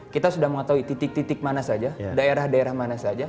kita sudah mengetahui titik titik mana saja daerah daerah mana saja